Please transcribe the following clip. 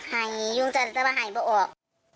หายยุ่งจันตร์ตระบายหายไปออก